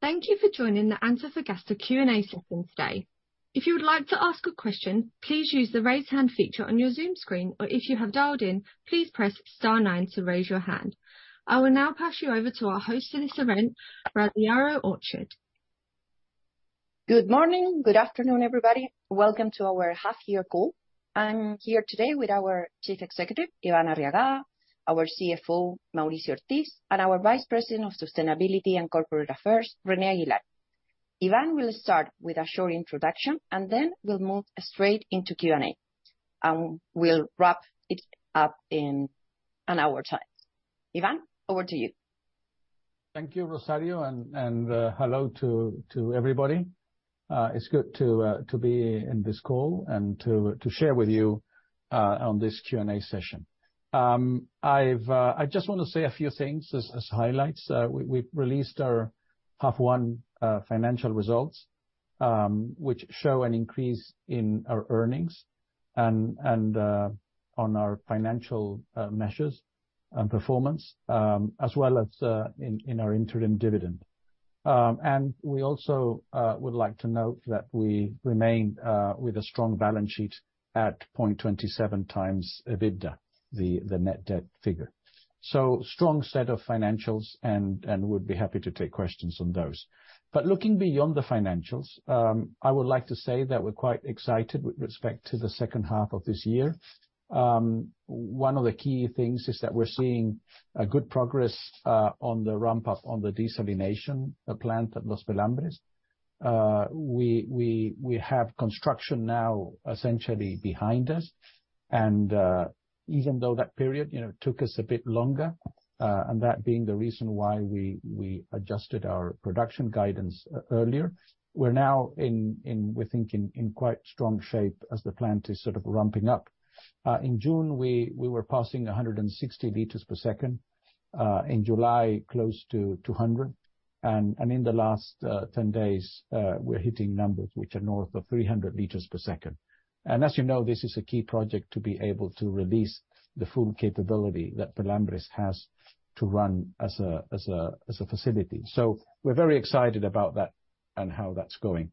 Thank you for joining the Antofagasta Q&A session today. If you would like to ask a question, please use the Raise Hand feature on your Zoom screen, or if you have dialed in, please press star nine to raise your hand. I will now pass you over to our host for this event, Rosario Orchard. Good morning. Good afternoon, everybody. Welcome to our half year call. I'm here today with our Chief Executive, Iván Arriagada, our CFO, Mauricio Ortiz, and our Vice President of Sustainability and Corporate Affairs, René Aguilar. Iván will start with a short introduction, then we'll move straight into Q&A, and we'll wrap it up in an hour time. Iván, over to you. Thank you, Rosario, and hello to everybody. It's good to be in this call and to share with you on this Q&A session. I've just want to say a few things as highlights. We've released our half one financial results, which show an increase in our earnings and on our financial measures and performance, as well as in our interim dividend. We also would like to note that we remain with a strong balance sheet at 0.27x EBITDA, the net debt figure. Strong set of financials and would be happy to take questions on those. Looking beyond the financials, I would like to say that we're quite excited with respect to the second half of this year. One of the key things is that we're seeing a good progress on the ramp-up on the desalination plant at Los Pelambres. We have construction now essentially behind us, and even though that period, you know, took us a bit longer, and that being the reason why we adjusted our production guidance earlier, we're now we think in quite strong shape as the plant is sort of ramping up. In June, we were passing 160 L/s, in July, close to 200, and in the last 10 days, we're hitting numbers which are north of 300 L/s. As you know, this is a key project to be able to release the full capability that Pelambres has to run as a facility. We're very excited about that and how that's going.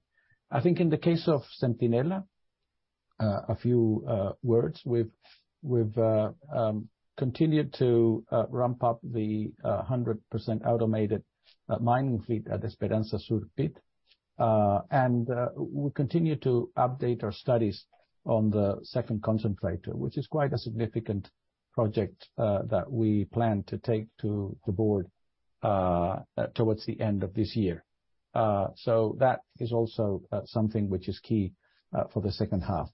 I think in the case of Centinela, a few words. We've continued to ramp up the 100% automated mining fleet at Esperanza Sur pit. We continue to update our studies on the second concentrator, which is quite a significant project that we plan to take to the board towards the end of this year. That is also something which is key for the second half.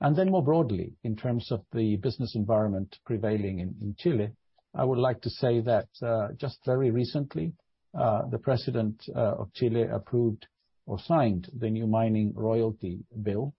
More broadly, in terms of the business environment prevailing in, in Chile, I would like to say that just very recently, the President of Chile approved or signed the new Mining Royalty Bill.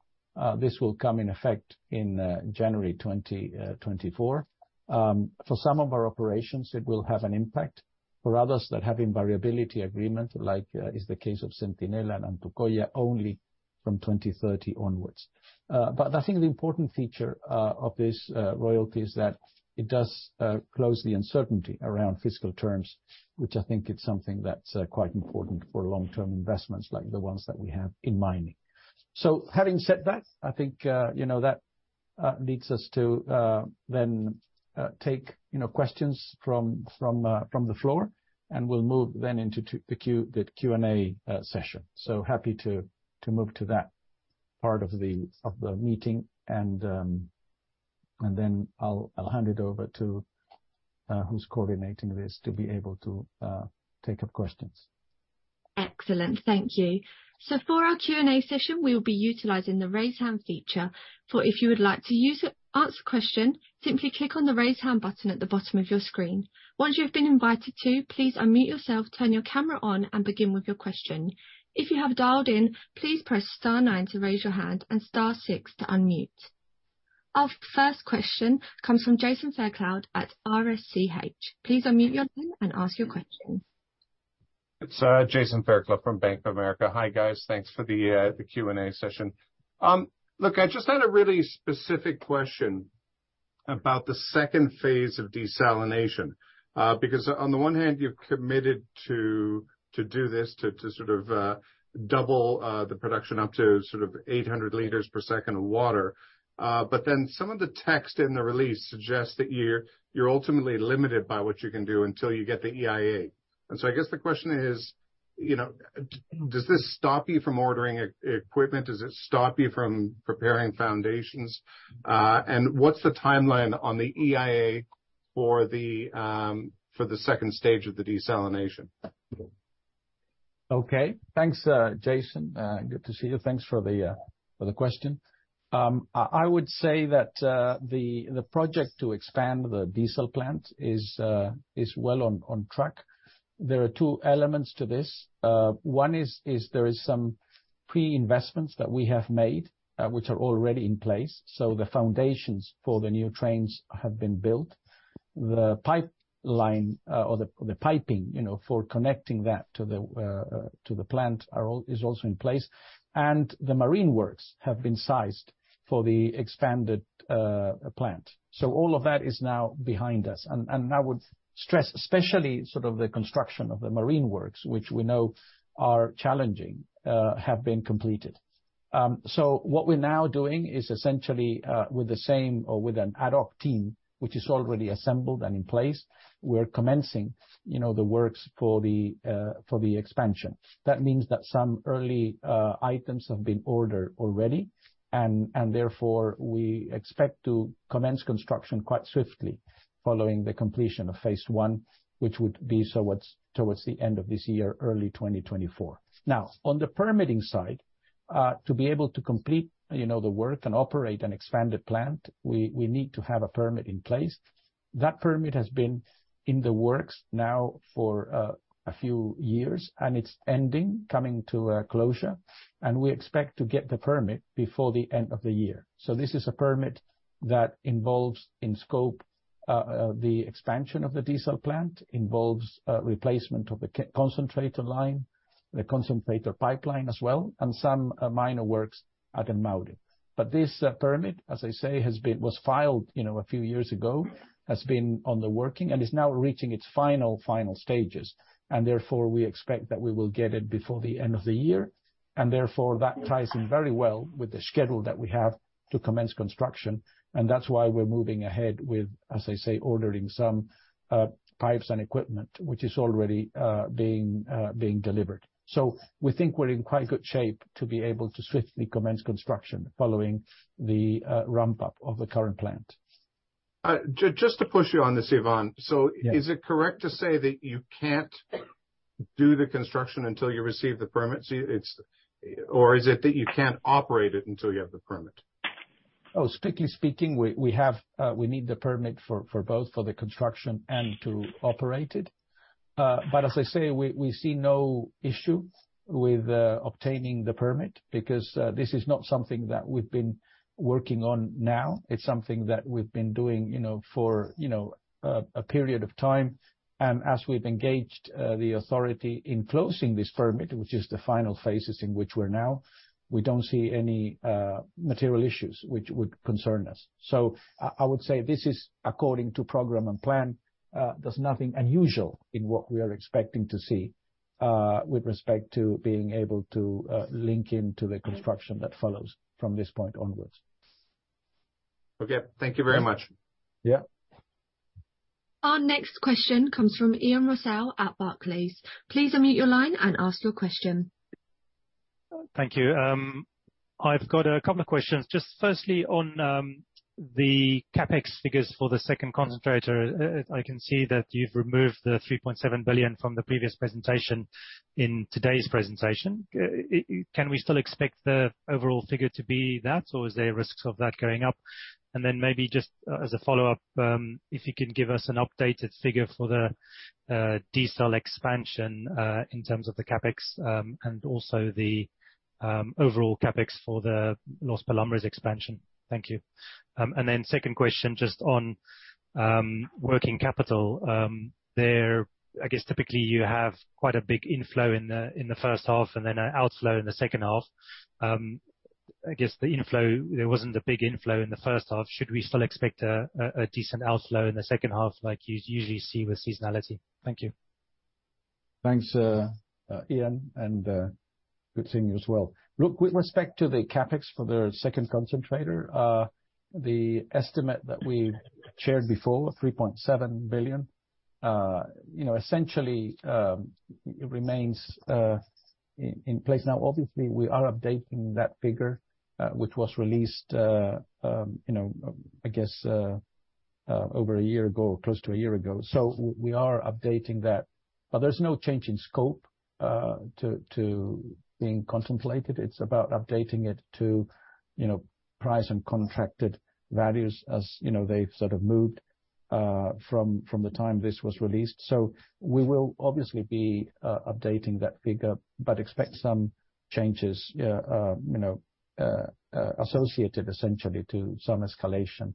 This will come in effect in January 2024. For some of our operations, it will have an impact. For others that have invariability agreement, like is the case of Centinela and Toconao, only from 2030 onwards. I think the important feature of this royalty is that it does close the uncertainty around fiscal terms, which I think it's something that's quite important for long-term investments like the ones that we have in mining. Having said that, I think, you know, that leads us to, then, take, you know, questions from the floor, and we'll move then into the Q&A session. Happy to, to move to that part of the, of the meeting, and then I'll, I'll hand it over to, who's coordinating this to be able to, take up questions. Excellent. Thank you. For our Q&A session, we will be utilizing the Raise Hand feature. For if you would like to use it, ask a question, simply click on the Raise Hand button at the bottom of your screen. Once you've been invited to, please unmute yourself, turn your camera on, and begin with your question. If you have dialed in, please press star nine to raise your hand and star six to unmute. Our first question comes from Jason Fairclough at BofA Securities. Please unmute yourself and ask your question. It's Jason Fairclough from Bank of America. Hi, guys. Thanks for the Q&A session. Look, I just had a really specific question about the second phase of desalination. Because on the one hand, you're committed to, to do this, to, to sort of double the production up to sort of 800 L/s of water. Some of the text in the release suggests that you're, you're ultimately limited by what you can do until you get the EIA. I guess the question is, you know, does this stop you from ordering equipment? Does it stop you from preparing foundations? What's the timeline on the EIA for the for the second stage of the desalination? Okay. Thanks, Jason. Good to see you. Thanks for the question. I, I would say that the project to expand the desal plant is well on, on track. There are two elements to this. One is, is there is some pre-investments that we have made, which are already in place, so the foundations for the new trains have been built. The pipeline, or the, the piping, you know, for connecting that to the plant is also in place. The marine works have been sized for the expanded plant. All of that is now behind us, and I would stress, especially sort of the construction of the marine works, which we know are challenging, have been completed. What we're now doing is essentially, with the same or with an ad hoc team, which is already assembled and in place, we're commencing, you know, the works for the expansion. That means that some early items have been ordered already, and, therefore, we expect to commence construction quite swiftly following the completion of phase one, which would be towards the end of this year, early 2024. Now, on the permitting side, to be able to complete, you know, the work and operate an expanded plant, we need to have a permit in place. That permit has been in the works now for a few years, and it's ending, coming to a closure, and we expect to get the permit before the end of the year. This is a permit that involves, in scope, the expansion of the diesel plant, involves, replacement of the concentrator line, the concentrator pipeline as well, and some minor works at El Mauro. This, permit, as I say, was filed, you know, a few years ago, has been on the working and is now reaching its final, final stages, therefore, we expect that we will get it before the end of the year. Therefore, that ties in very well with the schedule that we have to commence construction, that's why we're moving ahead with, as I say, ordering some pipes and equipment, which is already being delivered. We think we're in quite good shape to be able to swiftly commence construction following the ramp-up of the current plant. Just to push you on this, Iván. Yeah. Is it correct to say that you can't do the construction until you receive the permits? Or is it that you can't operate it until you have the permit? Strictly speaking, we, we have, we need the permit for, for both, for the construction and to operate it. As I say, we, we see no issue with obtaining the permit because this is not something that we've been working on now. It's something that we've been doing, you know, for, you know, a period of time. As we've engaged the authority in closing this permit, which is the final phases in which we're now, we don't see any material issues which would concern us. I, I would say this is according to program and plan, there's nothing unusual in what we are expecting to see with respect to being able to link into the construction that follows from this point onwards. Okay. Thank you very much. Yeah. Our next question comes from Ian Rossouw at Barclays. Please unmute your line and ask your question. Thank you. I've got a couple of questions. Just firstly, on the CapEx figures for the second concentrator, I can see that you've removed the $3.7 billion from the previous presentation in today's presentation. Can we still expect the overall figure to be that, or is there risks of that going up? Maybe just as a follow-up, if you can give us an updated figure for the diesel expansion, in terms of the CapEx, and also the overall CapEx for the Los Pelambres expansion. Thank you. Second question, just on working capital, there, I guess typically you have quite a big inflow in the first half and then an outflow in the second half. I guess the inflow, there wasn't a big inflow in the first half. Should we still expect a decent outflow in the second half like you usually see with seasonality? Thank you. Thanks, Ian, and good seeing you as well. Look, with respect to the CapEx for the second concentrator, the estimate that we shared before, $3.7 billion, you know, essentially, it remains in place. Obviously, we are updating that figure, which was released, you know, I guess, over 1 year ago, close to 1 year ago. We, we are updating that, but there's no change in scope to being contemplated. It's about updating it to, you know, price and contracted values as, you know, they've sort of moved from the time this was released. We will obviously be updating that figure, but expect some changes, you know, associated essentially to some escalation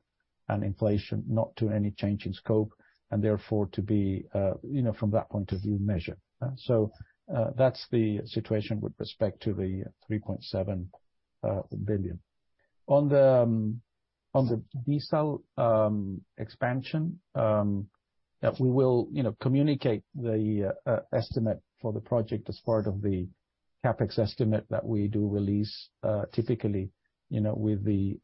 and inflation, not to any change in scope, and therefore to be, you know, from that point of view, measured. That's the situation with respect to the $3.7 billion. On the on the diesel expansion, that we will, you know, communicate the estimate for the project as part of the CapEx estimate that we do release, typically, you know, with the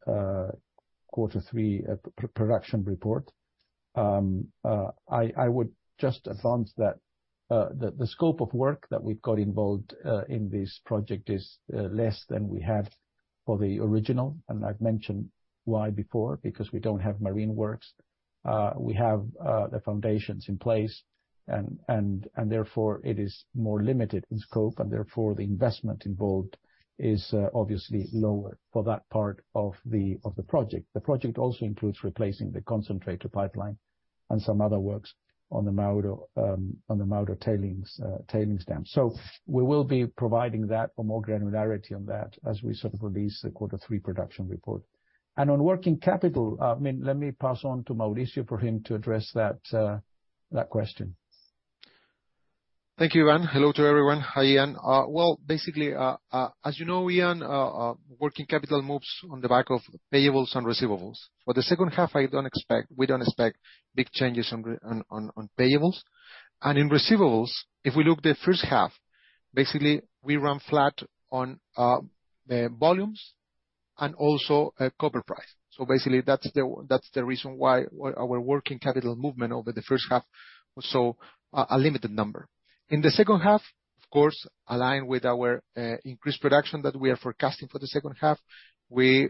Q3 production report. I, I would just advance that the the scope of work that we've got involved in this project is less than we had for the original, and I've mentioned why before, because we don't have marine works.... We have the foundations in place, and, and, and therefore it is more limited in scope, and therefore the investment involved is obviously lower for that part of the project. The project also includes replacing the concentrator pipeline and some other works on the Mauro tailings, tailings dam. We will be providing that for more granularity on that as we sort of release the quarter three production report. On working capital, I mean, let me pass on to Mauricio for him to address that question. Thank you, Ian. Hello to everyone. Hi, Ian. Basically, as you know, Ian, working capital moves on the back of payables and receivables. For the second half, I don't expect, we don't expect big changes on payables. In receivables, if we look the first half, basically, we ran flat on the volumes and also copper price. Basically, that's the reason why our working capital movement over the first half was so a limited number. In the second half, of course, aligned with our increased production that we are forecasting for the second half, we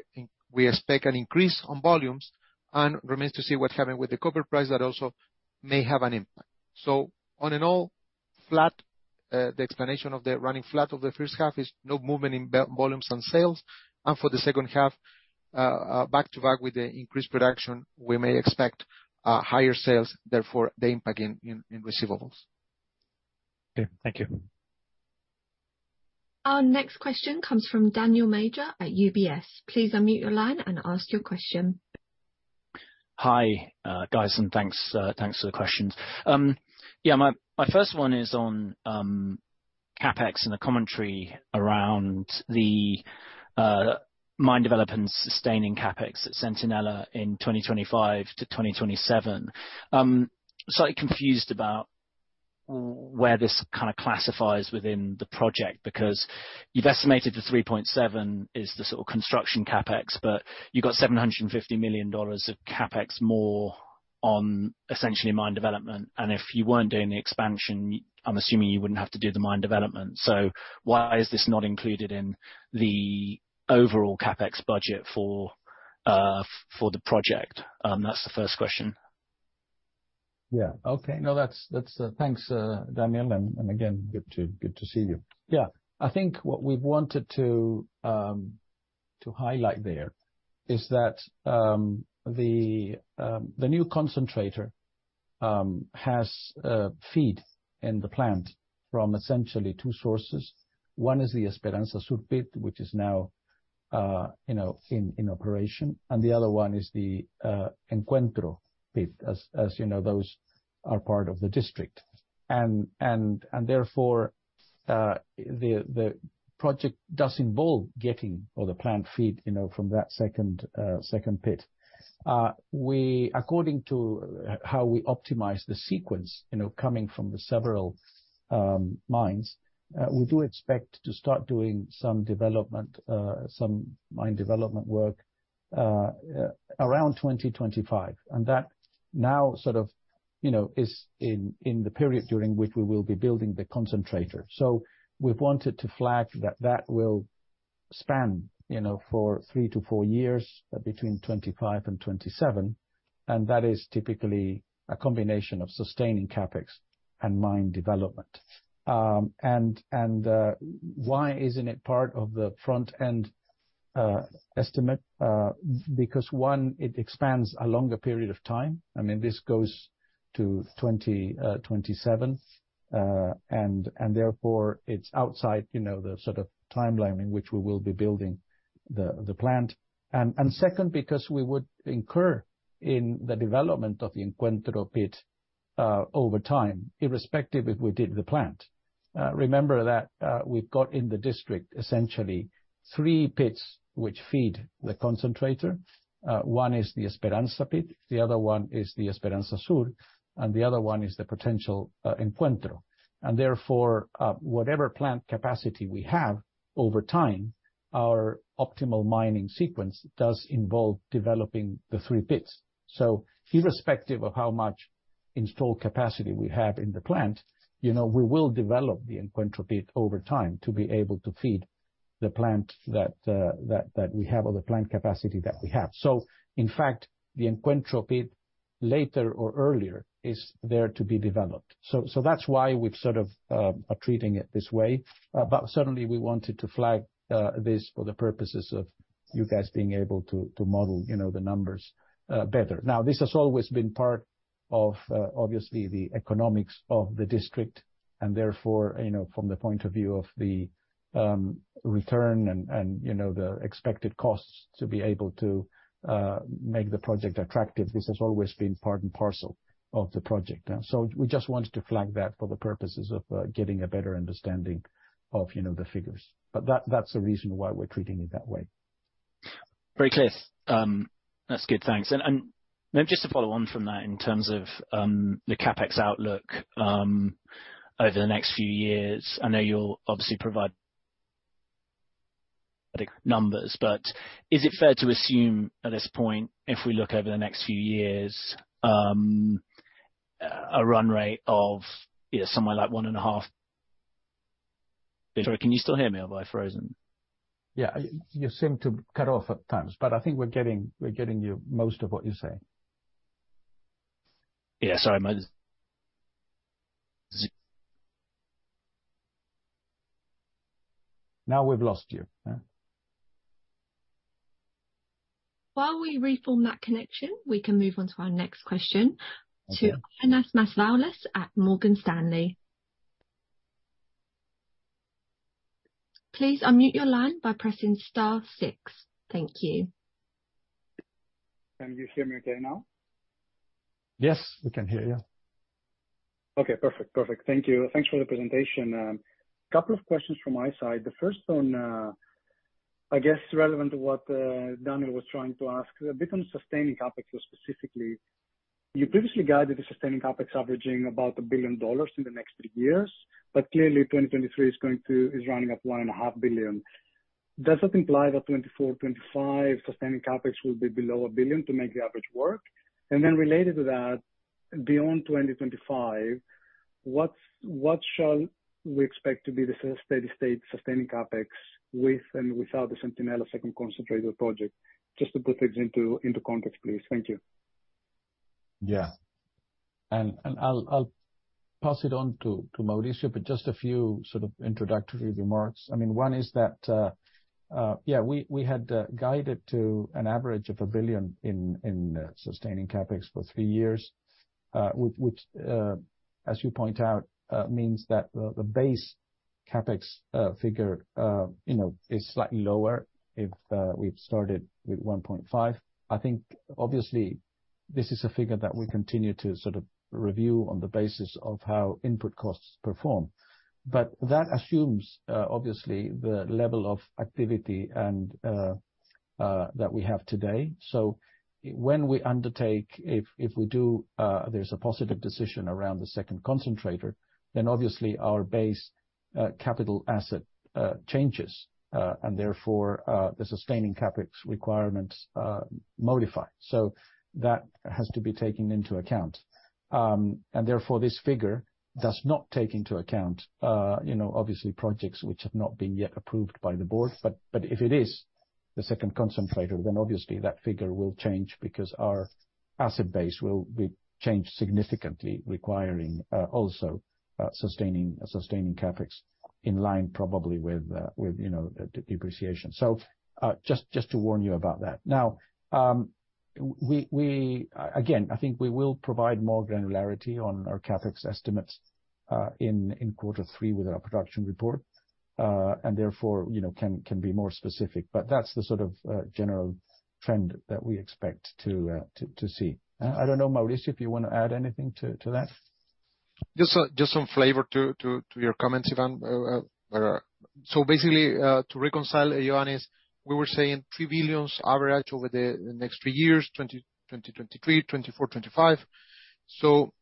expect an increase on volumes, remains to see what happened with the copper price that also may have an impact. On in all, flat, the explanation of the running flat of the first half is no movement in volumes on sales, and for the second half, back to back with the increased production, we may expect higher sales, therefore, the impact in, in, in receivables. Okay. Thank you. Our next question comes from Daniel Major at UBS. Please unmute your line and ask your question. Hi, guys, thanks, thanks for the questions. Yeah, my, my first one is on CapEx and the commentary around the mine development sustaining CapEx at Centinela in 2025 to 2027. Slightly confused about where this kind of classifies within the project, because you've estimated the $3.7 is the sort of construction CapEx, but you've got $750 million of CapEx more on essentially mine development. If you weren't doing the expansion, I'm assuming you wouldn't have to do the mine development. Why is this not included in the overall CapEx budget for the project? That's the first question. Yeah. Okay. No, that's, that's, thanks, Daniel, and, and again, good to, good to see you. Yeah. I think what we've wanted to to highlight there is that the the new concentrator has feed in the plant from essentially two sources. One is the Esperanza Sur Pit, which is now, you know, in, in operation, and the other one is the Encuentro pit. As, as you know, those are part of the district. And, and, and therefore, the, the project does involve getting all the plant feed, you know, from that second, second pit. According to how we optimize the sequence, you know, coming from the several mines, we do expect to start doing some development, some mine development work around 2025. That now sort of, you know, is in, in the period during which we will be building the concentrator. We've wanted to flag that that will span, you know, for three to four years, between 2025 and 2027, and that is typically a combination of sustaining CapEx and mine development. Why isn't it part of the front-end estimate? Because, one, it expands a longer period of time. I mean, this goes to 2027, and therefore, it's outside, you know, the sort of timeline in which we will be building the plant. Second, because we would incur in the development of the Encuentro pit over time, irrespective if we did the plant. Remember that we've got in the district, essentially three pits which feed the concentrator. One is the Esperanza Pit, the other one is the Esperanza Sur, and the other one is the potential Encuentro. Therefore, whatever plant capacity we have over time, our optimal mining sequence does involve developing the three pits. Irrespective of how much installed capacity we have in the plant, you know, we will develop the Encuentro Pit over time to be able to feed the plant that, that, that we have or the plant capacity that we have. In fact, the Encuentro Pit, later or earlier, is there to be developed. So that's why we've sort of are treating it this way. Certainly we wanted to flag this for the purposes of you guys being able to, to model, you know, the numbers better. Now, this has always been part of, obviously, the economics of the district, and therefore, you know, from the point of view of the, return and, and, you know, the expected costs to be able to, make the project attractive, this has always been part and parcel of the project. We just wanted to flag that for the purposes of, getting a better understanding of, you know, the figures. That, that's the reason why we're treating it that way. Very clear. That's good. Thanks. Maybe just to follow on from that, in terms of the CapEx outlook, over the next few years, I know you'll obviously provide the numbers, but is it fair to assume at this point, if we look over the next few years, a run rate of, you know, somewhere like one and a half- Sorry, can you still hear me, or have I frozen? Yeah, you seem to cut off at times, but I think we're getting, we're getting you, most of what you're saying. Yeah. Sorry, my. Now we've lost you. Yeah. While we reform that connection, we can move on to our next question. To Ioannis Masvoulas at Morgan Stanley. Please unmute your line by pressing star six. Thank you. Can you hear me okay now? Yes, we can hear you. Okay, perfect. Perfect. Thank you. Thanks for the presentation. Couple of questions from my side. The first one, I guess relevant to what Daniel was trying to ask, a bit on sustaining CapEx more specifically. You previously guided the sustaining CapEx, averaging about a billion dollar in the next three years, but clearly 2023 is running at $1.5 billion. Does that imply that 2024, 2025 sustaining CapEx will be below a billion to make the average work? Related to that, beyond 2025, what's, what shall we expect to be the steady state sustaining CapEx with and without the Centinela second concentrator project? Just to put things into context, please. Thank you. Yeah. I'll pass it on to Mauricio, but just a few sort of introductory remarks. I mean one is that, yeah, we had guided to an average of a billion in sustaining CapEx for three years, which, as you point out, means that the base CapEx figure, you know, is slightly lower if we've started with 1.5. I think obviously, this is a figure that we continue to sort of review on the basis of how input costs perform. That assumes, obviously, the level of activity and that we have today. When we undertake, if, if we do, there's a positive decision around the second concentrator, then obviously our base capital asset changes, and therefore, the sustaining CapEx requirements modify. That has to be taken into account. Therefore, this figure does not take into account, you know, obviously, projects which have not been yet approved by the board. If it is the second concentrator, then obviously that figure will change because our asset base will be changed significantly, requiring also sustaining CapEx in line probably with, you know, depreciation. Just to warn you about that. Again, I think we will provide more granularity on our CapEx estimates in quarter three with our production report, and therefore, you know, can, can be more specific. That's the sort of general trend that we expect to, to see. I don't know, Mauricio, if you want to add anything to, to that? Just, just some flavor to, to, to your comments, Iván. Where, basically, to reconcile, Ioannis, we were saying $3 billion average over the next three years, 2023, 2024, 2025.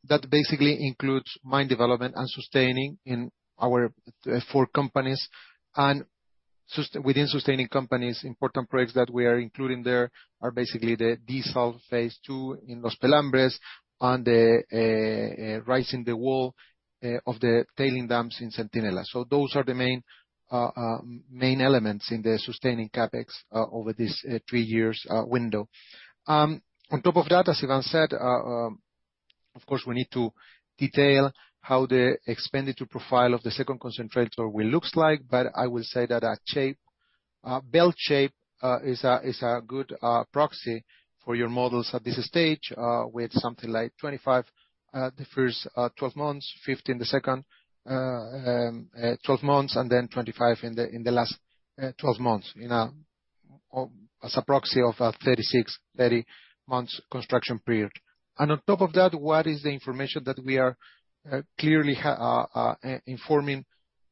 That basically includes mine development and sustaining in our four companies. Within sustaining companies, important projects that we are including there are basically the Desulf Phase II in Los Pelambres and the raising the wall of the tailing dams in Centinela. Those are the main elements in the sustaining CapEx over this three years window. On top of that, as Ivan said, of course, we need to detail how the expenditure profile of the second concentrator will looks like, but I will say that a shape, belt shape, is a, is a good, proxy for your models at this stage, with something like $25, the first 12 months, $15 the second 12 months, and then $25 in the last 12 months, in a, or as a proxy of a 36, 30 months construction period. On top of that, what is the information that we are, clearly, informing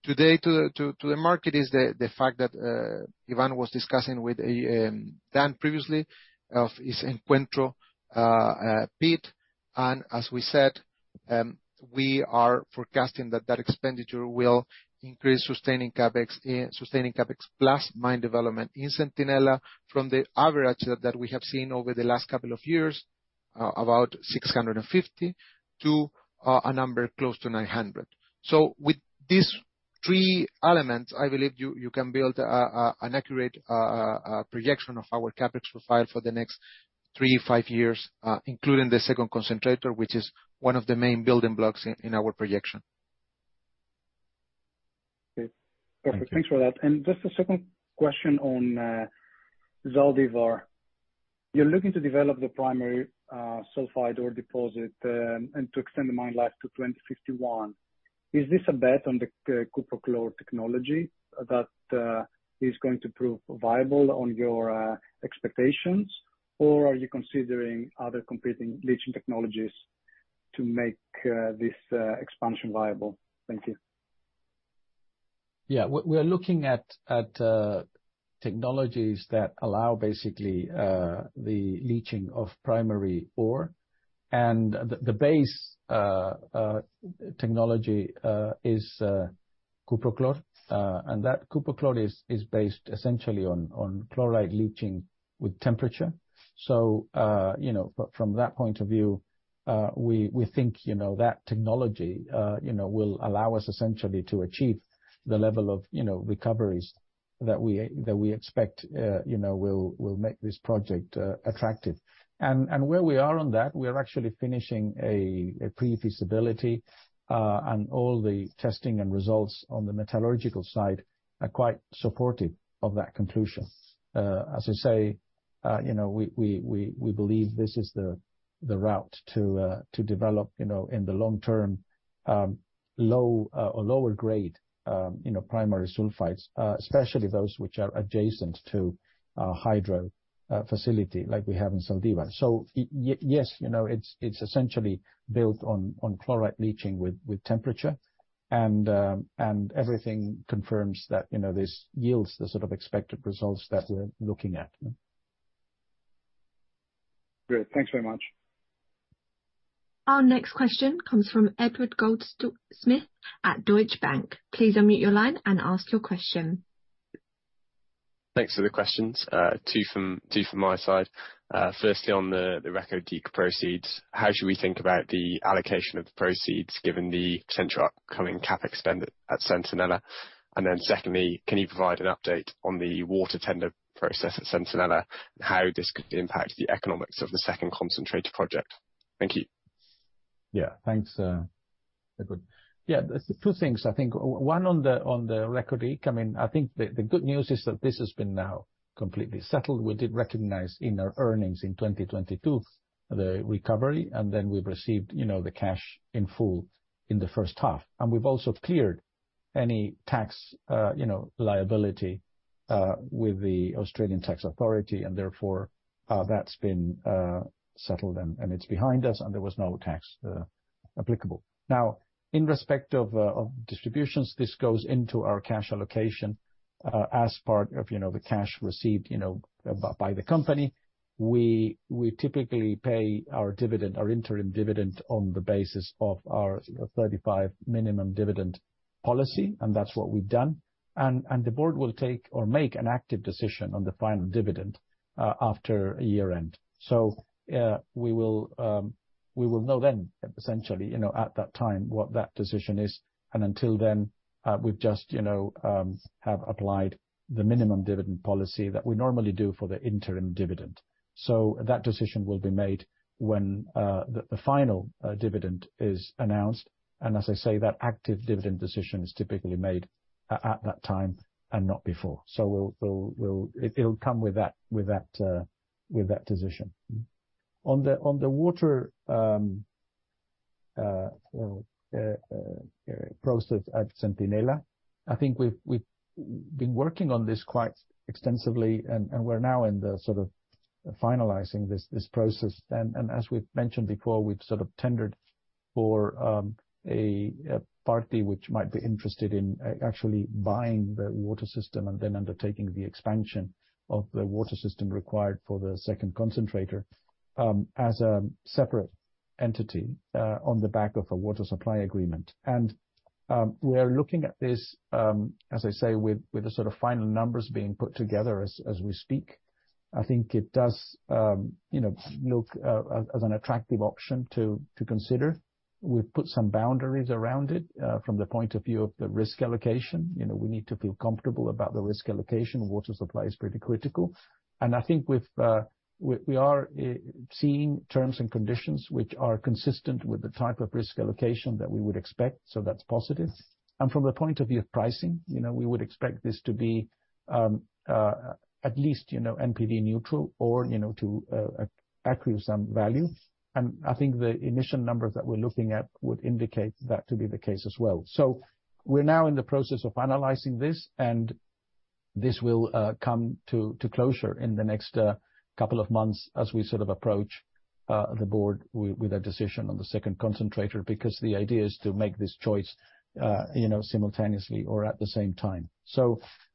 today to the market, is the fact that Ivan was discussing with Dan previously, of is Encuentro pit. As we said, we are forecasting that that expenditure will increase sustaining CapEx plus mine development in Centinela from the average that, that we have seen over the last couple of years, about $650 million to a number close to $900 million. With these three elements, I believe you can build an accurate projection of our CapEx profile for the next three five years, including the second concentrator, which is one of the main building blocks in our projection. Okay. Perfect. Thank you. Thanks for that. Just a second question on Zaldívar. You're looking to develop the primary sulphide ore deposit, and to extend the mine life to 2051. Is this a bet on the Cuprochlor technology that is going to prove viable on your expectations? Or are you considering other competing leaching technologies to make this expansion viable? Thank you. Yeah. We are looking at technologies that allow, basically, the leaching of primary ore. The base technology is Cuprochlor. That Cuprochlor is based essentially on chloride leaching with temperature. You know, from that point of view, we think, you know, that technology, you know, will allow us essentially to achieve the level of, you know, recoveries that we expect, will make this project attractive. Where we are on that, we are actually finishing a pre-feasibility, and all the testing and results on the metallurgical side are quite supportive of that conclusion. As I say, you know, we, we, we, we believe this is the, the route to develop, you know, in the long term, low or lower grade, you know, primary sulfides, especially those which are adjacent to a hydro facility like we have in Zaldívar. Yes, you know, it's, it's essentially built on, on chloride leaching with, with temperature, and everything confirms that, you know, this yields the sort of expected results that we're looking at. Great. Thanks very much. Our next question comes from Edward Goldsmith at Deutsche Bank. Please unmute your line and ask your question. Thanks for the questions. Two from, two from my side. Firstly, on the, the Reko Diq proceeds, how should we think about the allocation of the proceeds given the potential upcoming CapEx spend at Centinela? Secondly, can you provide an update on the water tender process at Centinela, and how this could impact the economics of the second concentrated project? Thank you. Yeah. Thanks, Edward. Yeah, there's two things. I think, one, on the Reko Diq. I mean, I think the good news is that this has been now completely settled. We did recognize in our earnings in 2022, the recovery, and then we've received, you know, the cash in full in the first half. We've also cleared any tax, you know, liability with the Australian Taxation Office, and therefore, that's been settled, and it's behind us, and there was no tax applicable. Now, in respect of distributions, this goes into our cash allocation as part of, you know, the cash received, you know, by the company. We typically pay our dividend, our interim dividend on the basis of our 35 minimum dividend policy, and that's what we've done. The board will take or make an active decision on the final dividend after a year end. We will know then, essentially, you know, at that time, what that decision is, and until then, we've just, you know, have applied the minimum dividend policy that we normally do for the interim dividend. That decision will be made when the final dividend is announced. As I say, that active dividend decision is typically made at that time and not before. It'll come with that, with that, with that decision. On the, on the water process at Centinela, I think we've, we've been working on this quite extensively, and we're now in the sort of finalizing this, this process. As we've mentioned before, we've sort of tendered for a party which might be interested in actually buying the water system and then undertaking the expansion of the water system required for the second concentrator as a separate entity on the back of a water supply agreement. We are looking at this, as I say, with the sort of final numbers being put together as we speak. I think it does, you know, look as an attractive option to consider. We've put some boundaries around it from the point of view of the risk allocation. You know, we need to feel comfortable about the risk allocation. Water supply is pretty critical. I think with, we, we are seeing terms and conditions which are consistent with the type of risk allocation that we would expect, so that's positive. From the point of view of pricing, you know, we would expect this to be, at least, you know, NPD neutral or, you know, to accrue some value. I think the initial numbers that we're looking at would indicate that to be the case as well. We're now in the process of finalizing this, and this will come to, to closure in the next couple of months as we sort of approach the board with, with a decision on the second concentrator, because the idea is to make this choice, you know, simultaneously or at the same time.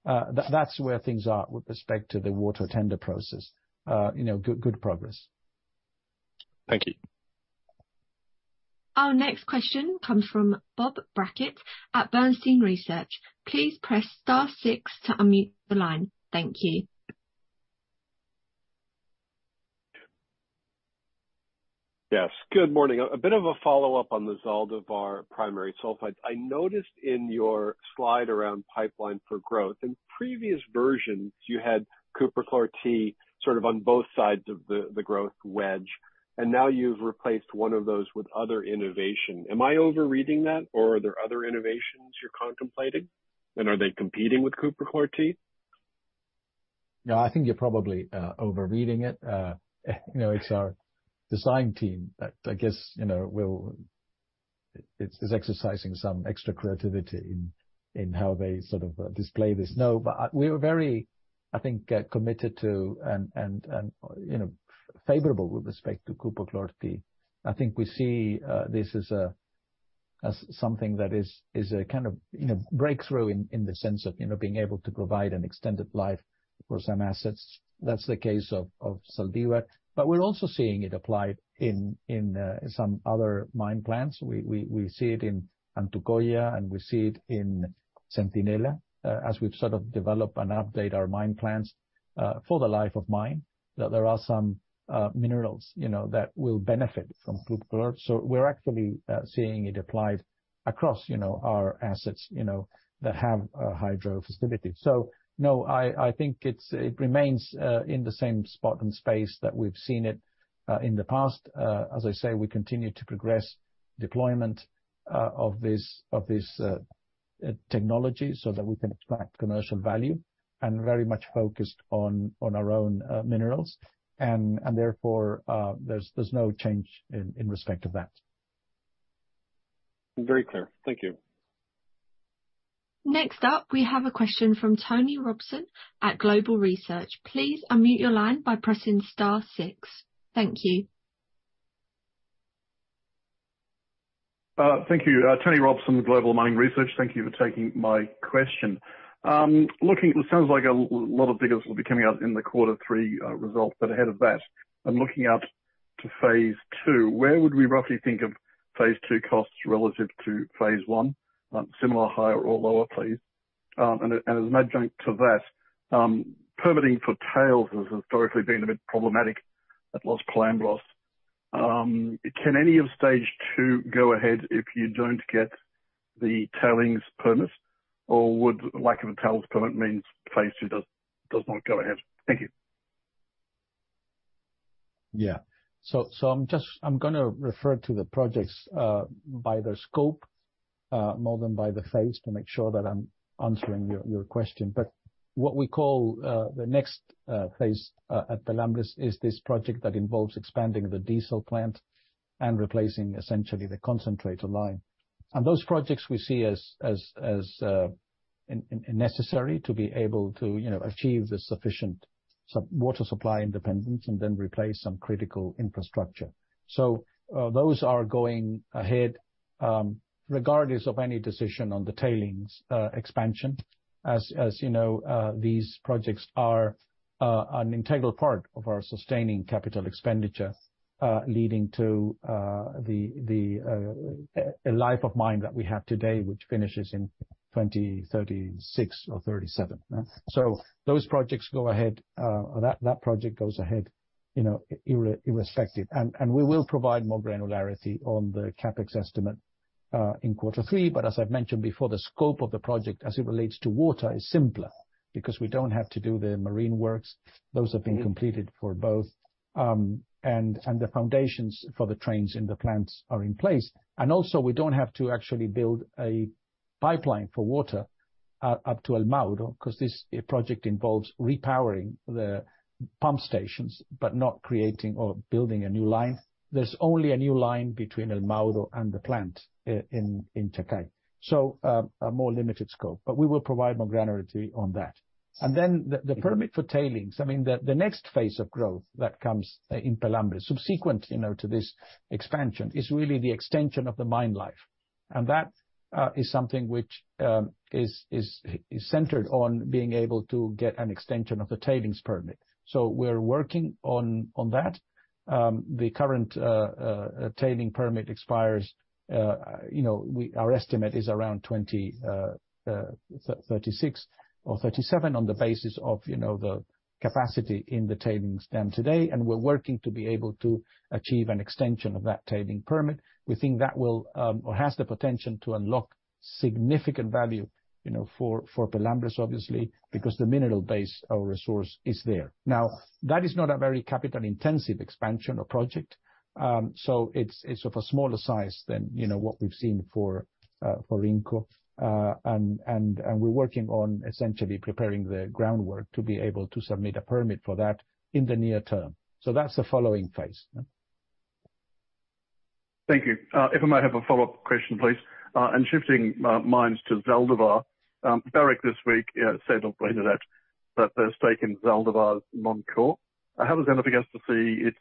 That-that's where things are with respect to the water tender process. You know, good, good progress. Thank you. Our next question comes from Bob Brackett at Bernstein Research. Please press star six to unmute the line. Thank you. Yes, good morning. A bit of a follow-up on the Zaldívar primary sulfide. I noticed in your slide around pipeline for growth, in previous versions, you had Cuprochlor-T sort of on both sides of the, the growth wedge, and now you've replaced one of those with other innovation. Am I overreading that, or are there other innovations you're contemplating, and are they competing with Cuprochlor-T? No, I think you're probably, overreading it. You know, it's our design team that I guess, you know, will... It's, it's exercising some extra creativity in, in how they sort of display this. No, we're very, I think, committed to and, and, and, you know, favorable with respect to Cuprochlor-T. I think we see, this as something that is, is a kind of, you know, breakthrough in, in the sense of, you know, being able to provide an extended life for some assets. That's the case of, of Zaldívar. We're also seeing it applied in, in, some other mine plants. We, we, we see it in Antucoya, and we see it in Centinela, as we've sort of developed and update our mine plans for the life of mine, that there are some minerals, you know, that will benefit from Cuprochlor-T. We're actually seeing it applied across, you know, our assets, you know, that have hydro inclusivity. No, I, I think it's- it remains in the same spot and space that we've seen it in the past. As I say, we continue to progress deployment of this, of this, technology so that we can extract commercial value and very much focused on, on our own minerals. And therefore, there's, there's no change in, in respect of that. Very clear. Thank you. Next up, we have a question from Tony Robson at Global Research. Please unmute your line by pressing star six. Thank you. Thank you. Tony Robson, Global Mining Research. Thank you for taking my question. Looking, it sounds like a lot of figures will be coming out in the quarter three results, but ahead of that, I'm looking out to phase two. Where would we roughly think of phase two costs relative to phase one? Similar, higher or lower, please? As an adjunct to that, permitting for tails has historically been a bit problematic at Los Pelambres. Can any of stage two go ahead if you don't get the tailings permit, or would lack of a tails permit means phase two does not go ahead? Thank you. Yeah. I'm gonna refer to the projects by their scope more than by the phase, to make sure that I'm answering your question. What we call the next phase at Pelambres is this project that involves expanding the diesel plant and replacing essentially the concentrator line. Those projects we see as necessary to be able to, you know, achieve the sufficient water supply independence and then replace some critical infrastructure. Those are going ahead regardless of any decision on the tailings expansion. As you know, these projects are an integral part of our sustaining capital expenditure leading to a life of mine that we have today, which finishes in 2036 or 2037. Those projects go ahead, that, that project goes ahead, you know, irres- irrespective. We will provide more granularity on the CapEx estimate, in quarter three. As I've mentioned before, the scope of the project as it relates to water, is simpler, because we don't have to do the marine works. Those have been completed for both. The foundations for the trains in the plants are in place. We don't have to actually build a pipeline for water, up to El Mauro, because this project involves repowering the pump stations, but not creating or building a new line. There's only a new line between El Mauro and the plant in, in Chacay. A more limited scope, but we will provide more granularity on that. The permit for tailings, I mean, the next phase of growth that comes in Pelambres, subsequent, you know, to this expansion, is really the extension of the mine life. That is something which is centered on being able to get an extension of the tailings permit. We're working on that. The current tailing permit expires, you know, our estimate is around 2036 or 2037, on the basis of, you know, the capacity in the tailings dam today, and we're working to be able to achieve an extension of that tailing permit. We think that will, or has the potential to unlock significant value, you know, for Pelambres, obviously, because the mineral base, our resource, is there. That is not a very capital-intensive expansion or project. It's, it's of a smaller size than, you know, what we've seen for Rincon. We're working on essentially preparing the groundwork to be able to submit a permit for that in the near term. That's the following phase. Thank you. If I might have a follow-up question, please. Shifting minds to Zaldívar. Barrick this week said on the internet that their stake in Zaldívar is non-core. How does Antofagasta see its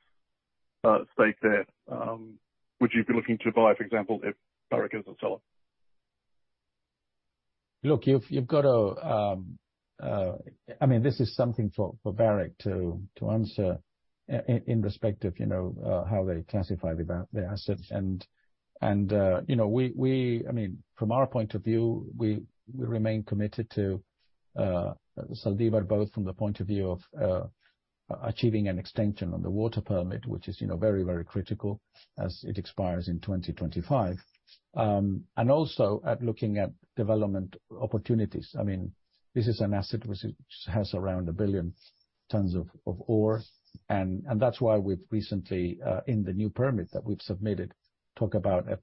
stake there? Would you be looking to buy, for example, if Barrick is a seller? Look, you've, you've got to, I mean, this is something for, for Barrick to, to answer in, in respect of, you know, how they classify the, the assets. You know, we, we, I mean, from our point of view, we, we remain committed to Zaldívar, both from the point of view of, achieving an extension on the water permit, which is, you know, very, very critical as it expires in 2025. Also at looking at development opportunities. I mean, this is an asset which has around 1 billion tons of, of ore, that's why we've recently, in the new permit that we've submitted, talk about a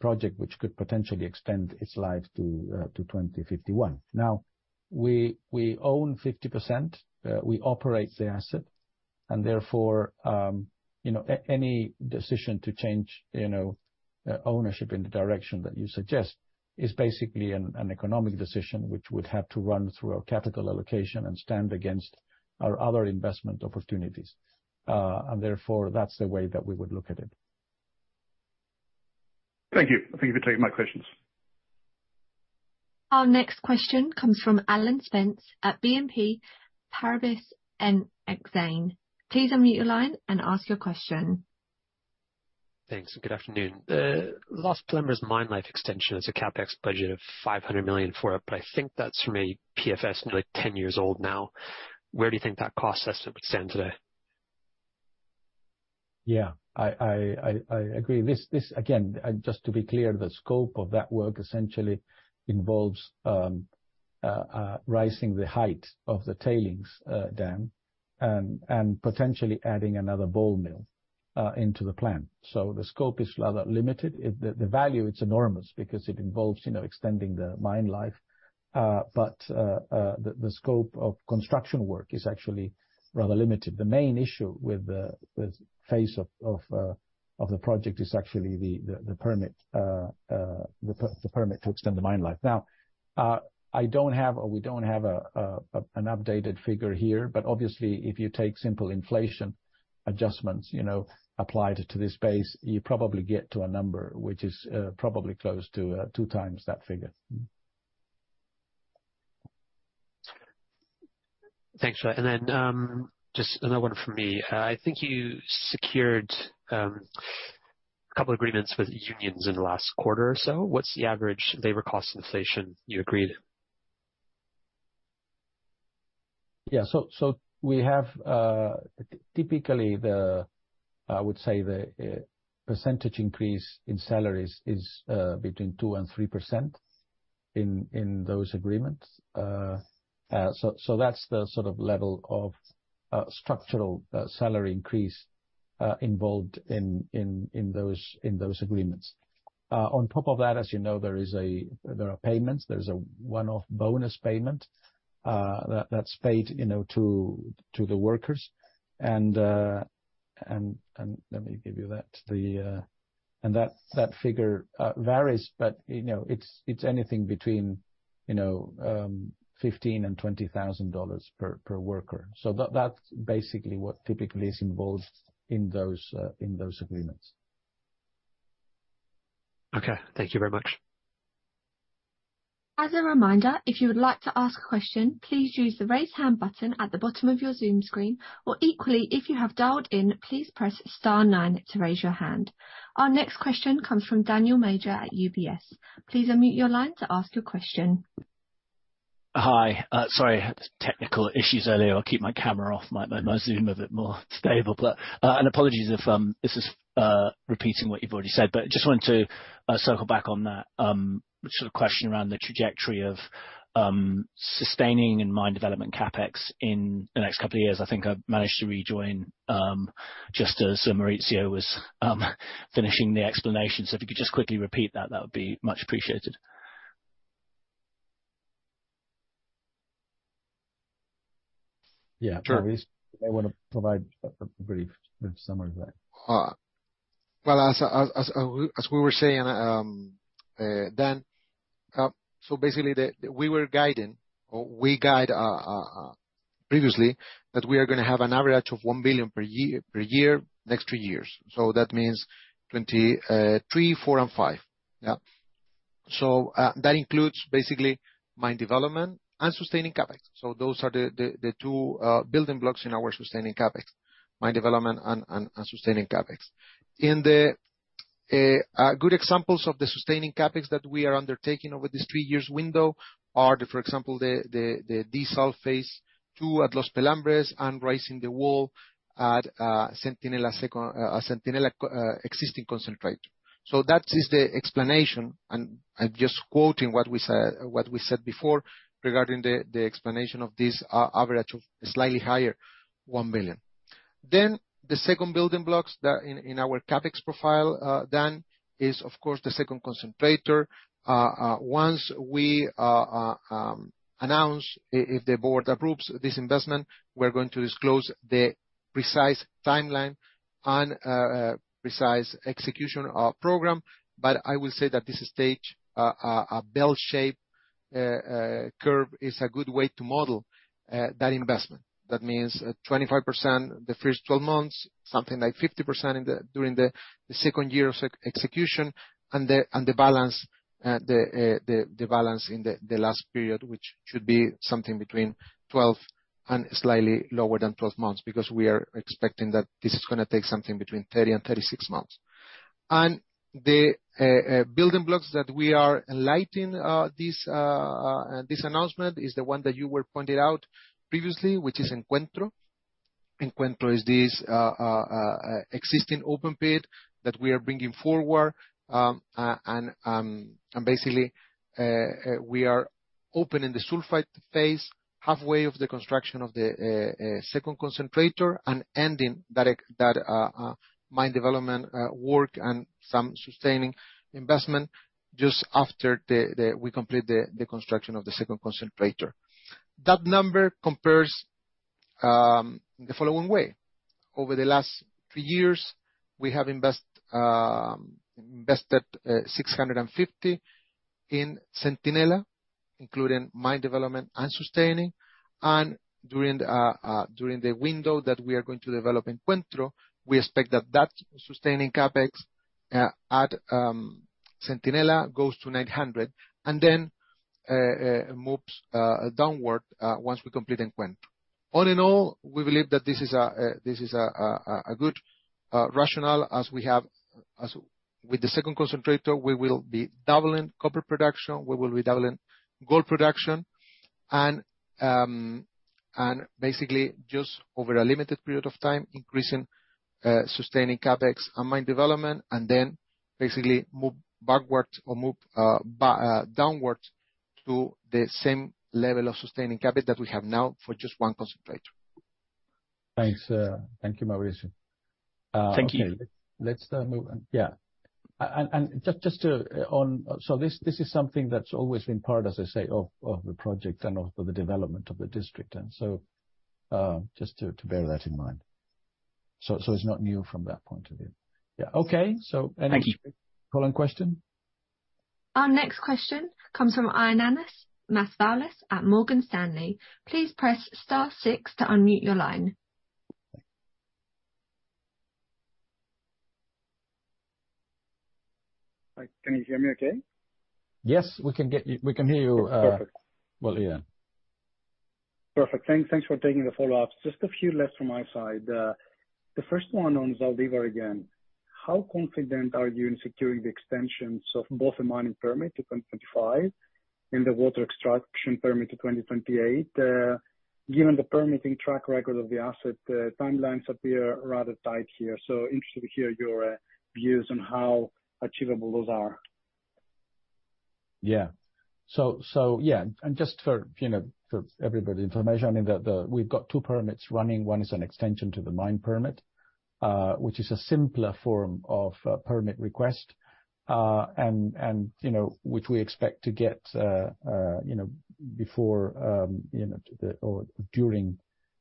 project which could potentially extend its life to, to 2051. Now, we, we own 50%, we operate the asset, and therefore, you know, any decision to change, you know, ownership in the direction that you suggest, is basically an, an economic decision, which would have to run through our capital allocation and stand against our other investment opportunities. Therefore, that's the way that we would look at it. Thank you. Thank you for taking my questions. Our next question comes from Alan Spence at BNP Paribas Exane. Please unmute your line and ask your question. Thanks, and good afternoon. Last December's mine life extension has a CapEx budget of $500 million for it. I think that's from a PFS nearly 10 years old now. Where do you think that cost estimate would stand today? Yeah. I, I, I, I agree. This, this, again, just to be clear, the scope of that work essentially involves rising the height of the tailings dam and potentially adding another ball mill into the plant. The scope is rather limited. The value is enormous because it involves, you know, extending the mine life, but the scope of construction work is actually rather limited. The main issue with the face of the project is actually the permit to extend the mine life. Now, I don't have, or we don't have, an updated figure here, but obviously, if you take simple inflation adjustments, you know, applied to this base, you probably get to a number which is, probably close to, 2x that figure. Thanks for that. Then, just another 1 from me. I think you secured two agreements with unions in the last quarter or so. What's the average labor cost inflation you agreed? Yeah, we have. Typically, the, I would say, the percentage increase in salaries is between 2%-3% in those agreements. That's the sort of level of structural salary increase involved in those agreements. On top of that, as you know, there are payments. There's a one-off bonus payment that's paid, you know, to the workers. Let me give you that. That figure varies, but, you know, it's anything between, you know, $15,000-$20,000 per worker. That's basically what typically is involved in those agreements. Okay, thank you very much. As a reminder, if you would like to ask a question, please use the Raise Hand button at the bottom of your Zoom screen, or equally, if you have dialed in, please press star nine to raise your hand. Our next question comes from Daniel Major at UBS. Please unmute your line to ask your question. Hi. Sorry, I had technical issues earlier. I'll keep my camera off, might make my Zoom a bit more stable. And apologies if this is repeating what you've already said, but just wanted to circle back on that sort of question around the trajectory of sustaining and mine development CapEx in the next couple of years. I think I've managed to rejoin just as Mauricio was finishing the explanation. If you could just quickly repeat that, that would be much appreciated. Yeah, sure. Luis, you may want to provide a brief summary of that. Well, as, as, as, as we were saying, Dan, basically, we were guiding, or we guide, previously, that we are going to have an average of $1 billion per year, per year, next three years. That means 2023, 2024 and 2025. Yeah. That includes basically mine development and sustaining CapEx. Those are the, the, the two building blocks in our sustaining CapEx, mine development and, and, and sustaining CapEx. In the good examples of the sustaining CapEx that we are undertaking over this three years window are, for example, the, the, the desulfation Phase II at Los Pelambres and raising the wall at Centinela second Centinela existing concentrator. That is the explanation, and I'm just quoting what we said, what we said before regarding the explanation of this average of slightly higher $1 billion. The second building blocks that in our CapEx profile, Dan, is of course, the second concentrator. Once we announce, if the board approves this investment, we're going to disclose the precise timeline and precise execution program. I will say that this stage a bell-shaped curve is a good way to model that investment. That means, 25% the first 12 months, something like 50% in the, during the, the 2nd year of ex-execution, and the, and the balance, the, the, the balance in the, the last period, which should be something between 12 and slightly lower than 12 months, because we are expecting that this is going to take something between 30 and 36 months. The building blocks that we are enlightening, this, this announcement, is the one that you were pointed out previously, which is Encuentro. Encuentro is this existing open pit that we are bringing forward, and basically, we are opening the sulfide phase halfway of the construction of the 2nd concentrator and ending that mine development work and some sustaining investment just after we complete the construction of the second concentrator. That number compares. The following way: over the last three years, we have invested $650 million in Centinela, including mine development and sustaining, and during the window that we are going to develop in Encuentro, we expect that that sustaining CapEx at Centinela goes to $900 million, and then moves downward once we complete in Encuentro. All in all, we believe that this is a, this is a, a, a, a good rationale, as we have, as with the second concentrator, we will be doubling copper production, we will be doubling gold production, and basically just over a limited period of time, increasing, sustaining CapEx and mine development, and then basically move backwards or move downwards to the same level of sustaining CapEx that we have now for just one concentrator. Thanks, thank you, Mauricio. Thank you. Let's move on. Yeah. And, and just, just to. So this, this is something that's always been part, as I say, of the project and of the development of the district. So, just to, to bear that in mind. So it's not new from that point of view. Yeah. Okay. Thank you. Follow on question? Our next question comes from Ioannis Masvoulas at Morgan Stanley. Please press star six to unmute your line. Hi, can you hear me okay? Yes, we can get you. We can hear you. Perfect. Well, yeah. Perfect. Thanks, thanks for taking the follow-up. Just a few left from my side. The first one on Zaldívar again. How confident are you in securing the extensions of both the mining permit to 2025 and the water extraction permit to 2028? Given the permitting track record of the asset, the timelines appear rather tight here. Interested to hear your views on how achievable those are. Yeah. So, so, yeah, and just for, you know, for everybody's information, I mean, the, the, we've got two permits running. One is an extension to the mine permit, which is a simpler form of permit request, and, and, you know, which we expect to get, you know, before, you know, the or during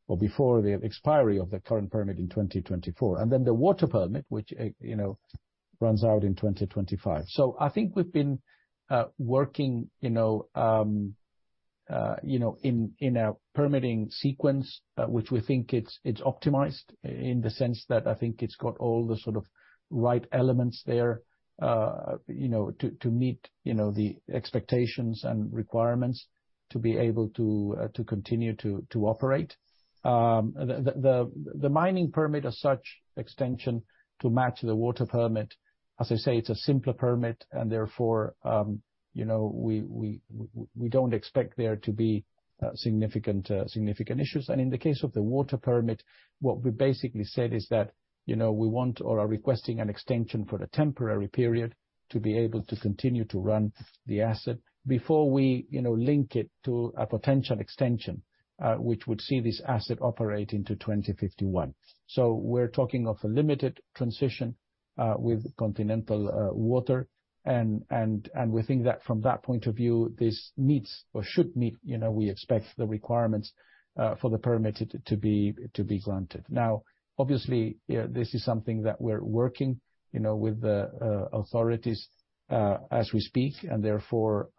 or before the expiry of the current permit in 2024. Then the water permit, which, you know, runs out in 2025. I think we've been working, you know, in, in a permitting sequence, which we think it's, it's optimized in the sense that I think it's got all the sort of right elements there, you know, to, to meet, you know, the expectations and requirements to be able to, to continue to, to operate. The, the, the mining permit as such, extension to match the water permit, as I say, it's a simpler permit, and therefore, you know, we, we don't expect there to be significant significant issues. In the case of the water permit, what we basically said is that, you know, we want or are requesting an extension for a temporary period to be able to continue to run the asset before we, you know, link it to a potential extension, which would see this asset operate into 2051. We're talking of a limited transition with continental water, and, and, and we think that from that point of view, this meets or should meet, you know, we expect the requirements for the permit to be, to be granted. Obviously, this is something that we're working, you know, with the authorities, as we speak, and therefore,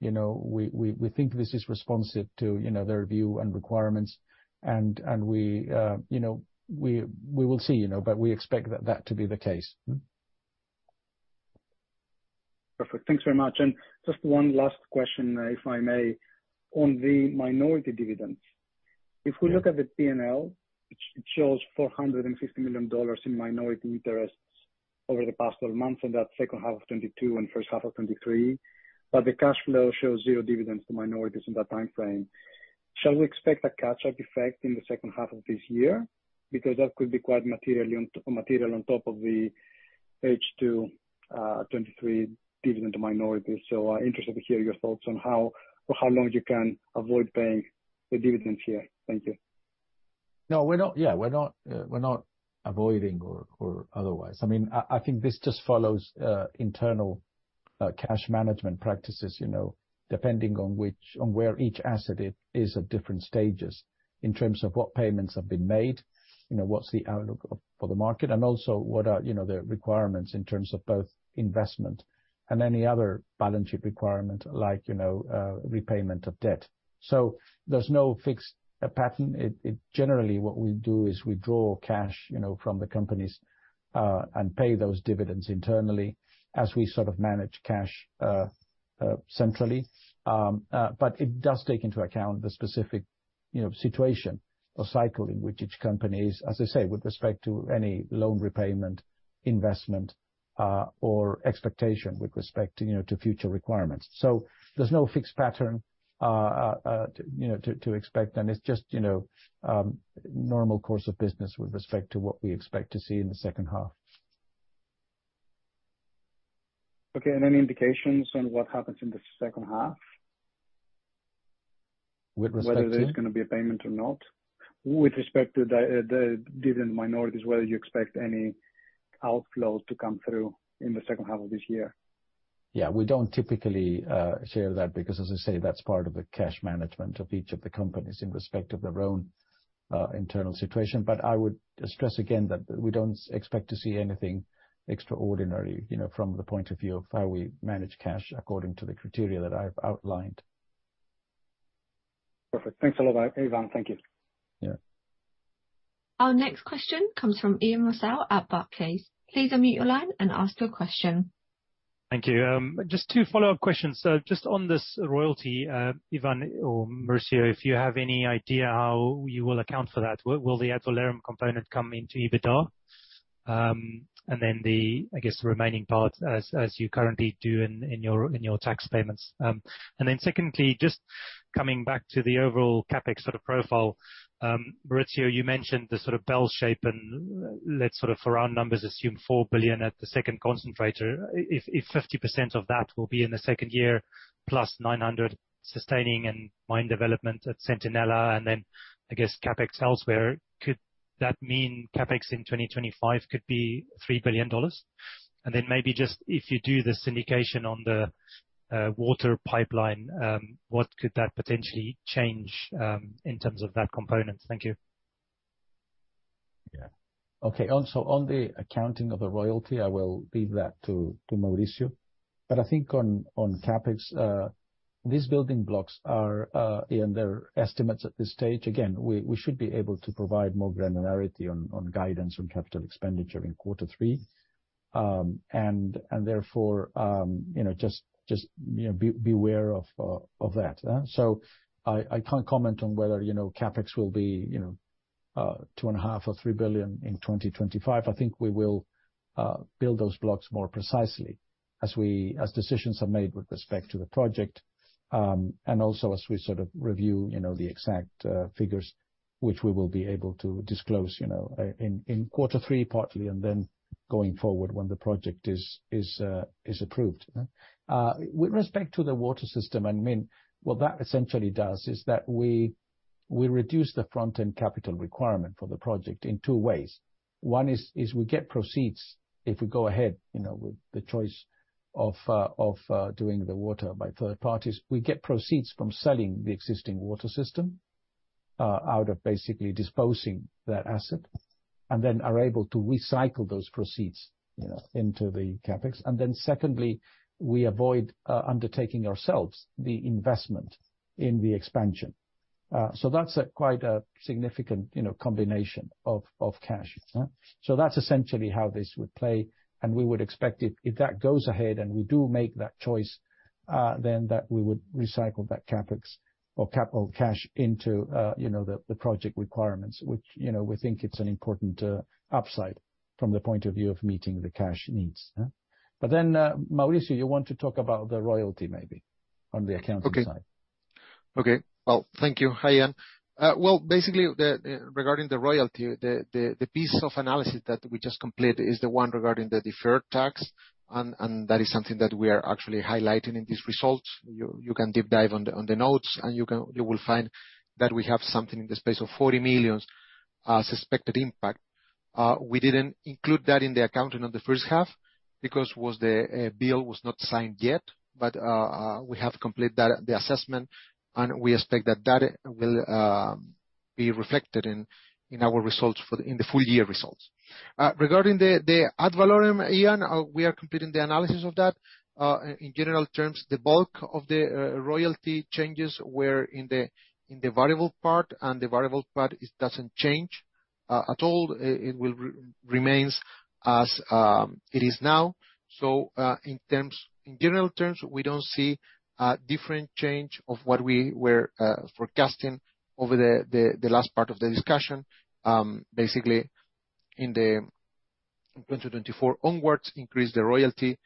you know, we, we, we think this is responsive to, you know, their view and requirements. And we, you know, we, we will see, you know, but we expect that to be the case. Perfect. Thanks very much. Just one last question, if I may, on the minority dividends. Mm-hmm. If we look at the P&L, it shows $450 million in minority interests over the past 12 months, and that second half of 2022 and first half of 2023, but the cash flow shows 0 dividends to minorities in that time frame. Shall we expect a catch-up effect in the second half of this year? Because that could be quite materially on top of the H2 2023 dividend to minorities. Interested to hear your thoughts on how or how long you can avoid paying the dividends here. Thank you. No, we're not. Yeah, we're not, we're not avoiding or otherwise. I mean, I, I think this just follows internal cash management practices, you know, depending on which, on where each asset is, is at different stages in terms of what payments have been made, you know, what's the outlook of, for the market, and also what are, you know, the requirements in terms of both investment and any other balance sheet requirement, like, you know, repayment of debt. There's no fixed pattern. It generally, what we do is we draw cash, you know, from the companies, and pay those dividends internally as we sort of manage cash centrally. It does take into account the specific, you know, situation or cycle in which each company is, as I say, with respect to any loan repayment, investment, or expectation with respect to, you know, to future requirements. There's no fixed pattern to, you know, to, to expect, and it's just, you know, normal course of business with respect to what we expect to see in the second half. Okay, any indications on what happens in the second half? With respect to? Whether there's going to be a payment or not. With respect to the, the dividend minorities, whether you expect any outflows to come through in the second half of this year?... Yeah, we don't typically share that because, as I say, that's part of the cash management of each of the companies in respect of their own, internal situation. I would stress again that we don't expect to see anything extraordinary, you know, from the point of view of how we manage cash according to the criteria that I've outlined. Perfect. Thanks a lot, Ivan. Thank you. Yeah. Our next question comes from Ian Rossouw at Barclays. Please unmute your line and ask your question. Thank you. Just two follow-up questions. Just on this royalty, Iván or Mauricio, if you have any idea how you will account for that. Will the ad valorem component come into EBITDA? The, I guess, the remaining part as, as you currently do in, in your, in your tax payments. Secondly, just coming back to the overall CapEx sort of profile, Mauricio, you mentioned the sort of bell shape, and let's sort of, for round numbers, assume $4 billion at the second concentrator. If 50% of that will be in the second year, plus $900 sustaining and mine development at Centinela, and then I guess CapEx elsewhere, could that mean CapEx in 2025 could be $3 billion? Then maybe just, if you do the syndication on the water pipeline, what could that potentially change in terms of that component? Thank you. Yeah. Okay, on, so on the accounting of the royalty, I will leave that to, to Mauricio. I think on, on CapEx, these building blocks are in their estimates at this stage. Again, we, we should be able to provide more granularity on, on guidance on capital expenditure in quarter three. Therefore, you know, just, just, you know, beware of that. I can't comment on whether, you know, CapEx will be, you know, $2.5 billion or $3 billion in 2025. I think we will build those blocks more precisely as decisions are made with respect to the project, and also as we sort of review, you know, the exact figures, which we will be able to disclose, you know, in quarter three, partly, and then going forward when the project is, is approved. With respect to the water system, I mean, what that essentially does is that we, we reduce the front-end capital requirement for the project in two ways. One is, is we get proceeds if we go ahead, you know, with the choice of, of doing the water by third parties. We get proceeds from selling the existing water system, out of basically disposing that asset, and then are able to recycle those proceeds, you know, into the CapEx. Secondly, we avoid undertaking ourselves, the investment in the expansion. That's a quite a significant, you know, combination of cash. That's essentially how this would play, and we would expect it, if that goes ahead and we do make that choice, then that we would recycle that CapEx or capital cash into, you know, the project requirements, which, you know, we think it's an important upside from the point of view of meeting the cash needs, huh? Mauricio, you want to talk about the royalty maybe, on the accounting side. Okay. Okay. Well, thank you. Hi, Ian. Well, basically, the, regarding the Royalty, the, the, the piece of analysis that we just completed is the one regarding the deferred tax, and, and that is something that we are actually highlighting in these results. You, you can deep dive on the, on the notes, and you can you will find that we have something in the space of $40 million, suspected impact. We didn't include that in the accounting on the first half because was the, bill was not signed yet, but, we have completed the, the assessment, and we expect that that will, be reflected in, in our results for the, in the full year results. Regarding the, the ad valorem, Ian, we are completing the analysis of that. In general terms, the bulk of the royalty changes were in the, in the variable part, and the variable part, it doesn't change at all. It, it will remains as it is now. In terms, in general terms, we don't see a different change of what we were forecasting over the, the, the last part of the discussion. Basically, in the 2024 onwards, increase the royalty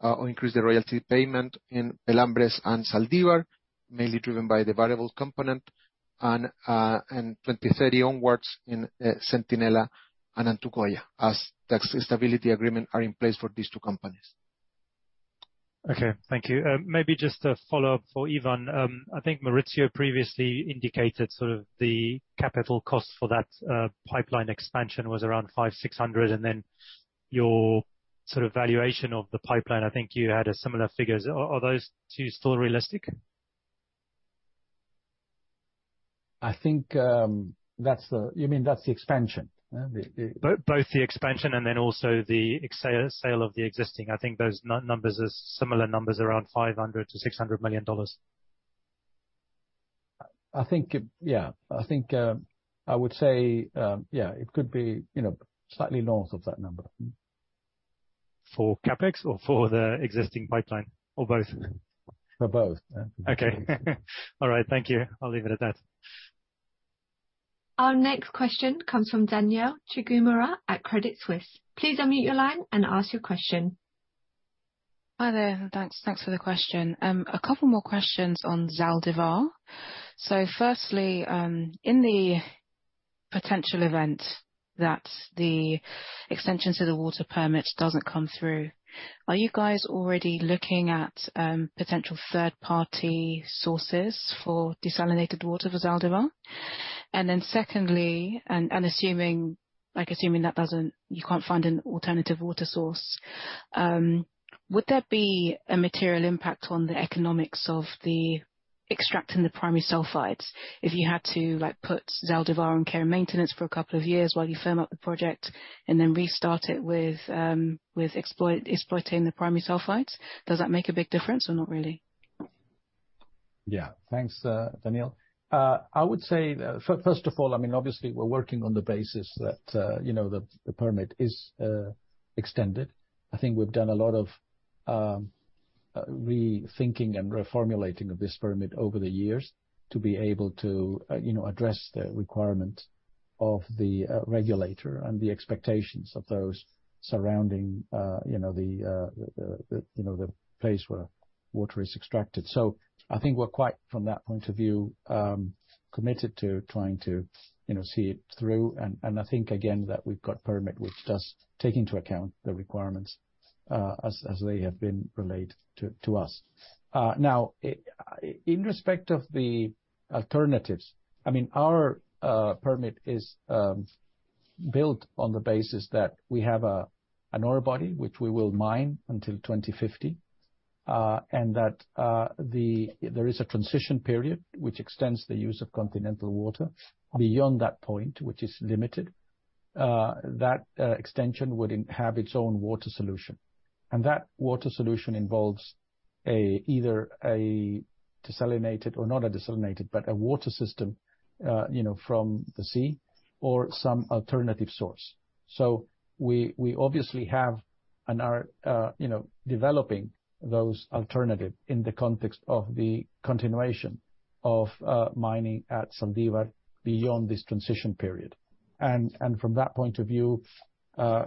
or increase the royalty payment in Pelambres and Zaldívar, mainly driven by the variable component, and in 2030 onwards in Centinela and Antucoya, as Tax Stability Agreement are in place for these two companies. Okay. Thank you. Maybe just a follow-up for Iván. I think Mauricio previously indicated sort of the capital cost for that pipeline expansion was around $500 million to $600 million, and then your sort of valuation of the pipeline, I think you had a similar figures. Are those two still realistic? I think, that's the... You mean that's the expansion, the, the? both the expansion and then also the sale of the existing. I think those numbers are similar numbers, around $500 million to $600 million. I think I would say, yeah, it could be, you know, slightly north of that number. For CapEx or for the existing pipeline, or both? For both. Yeah. Okay. All right. Thank you. I'll leave it at that. Our next question comes from Danielle Chigumira at Credit Suisse. Please unmute your line and ask your question. Hi there. Thanks, thanks for the question. Two more questions on Zaldívar. Firstly, in the potential event that the extension to the water permit doesn't come through, are you guys already looking at potential third-party sources for desalinated water for Zaldívar? Then secondly, assuming, like assuming that doesn't-- you can't find an alternative water source, would there be a material impact on the economics of the extracting the primary sulfides if you had to, like, put Zaldívar on care and maintenance for two years while you firm up the project, and then restart it with exploit, exploiting the primary sulfides? Does that make a big difference or not really? Yeah. Thanks, Danielle. I would say, first of all, I mean, obviously, we're working on the basis that, you know, the, the permit is extended. I think we've done a lot of rethinking and reformulating of this permit over the years to be able to, you know, address the requirements of the regulator and the expectations of those surrounding, you know, the, the, the, you know, the place where water is extracted. I think we're quite, from that point of view, committed to trying to, you know, see it through. I think, again, that we've got permit, which does take into account the requirements, as, as they have been relayed to, to us. Now, in respect of the alternatives, I mean, our permit is built on the basis that we have a, an ore body, which we will mine until 2050, and that there is a transition period, which extends the use of continental water. Beyond that point, which is limited, that extension would have its own water solution, and that water solution involves a, either a desalinated, or not a desalinated, but a water system, you know, from the sea or some alternative source. We, we obviously have and are, you know, developing those alternative in the context of the continuation of mining at Zaldívar beyond this transition period. From that point of view,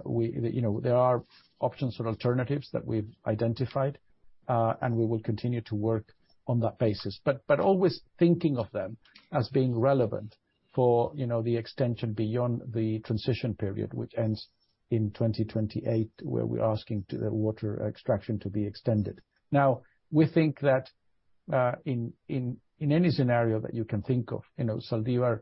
we, you know, there are options or alternatives that we've identified, and we will continue to work on that basis, but always thinking of them as being relevant for, you know, the extension beyond the transition period, which ends in 2028, where we're asking the water extraction to be extended. We think that in, in, in any scenario that you can think of, you know, Zaldívar,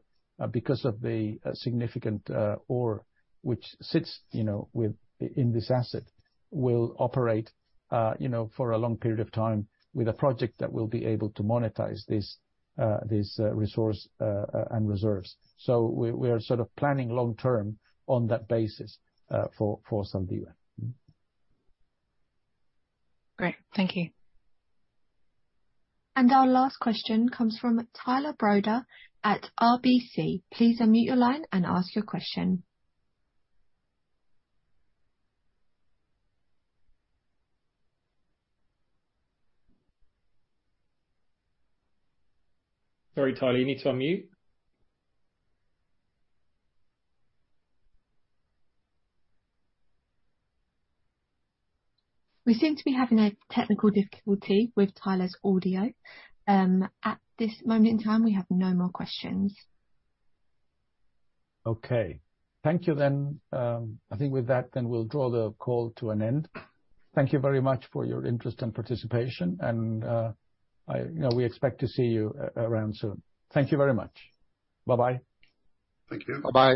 because of the significant ore which sits, you know, with, in this asset, will operate, you know, for a long period of time with a project that will be able to monetize this, this resource and reserves. We, we are sort of planning long term on that basis for, for Zaldívar. Great. Thank you. Our last question comes from Tyler Broda at RBC. Please unmute your line and ask your question. Sorry, Tyler, you need to unmute. We seem to be having a technical difficulty with Tyler's audio. At this moment in time, we have no more questions. Okay. Thank you then, I think with that, then we'll draw the call to an end. Thank you very much for your interest and participation, and, I, you know, we expect to see you around soon. Thank you very much. Bye-bye. Thank you. Bye-bye.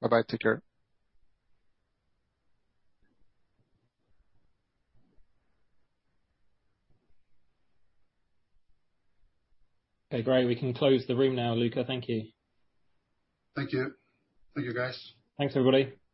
Bye-bye. Take care. Okay, great. We can close the room now, Luca. Thank you. Thank you. Thank you, guys. Thanks, everybody. Bye.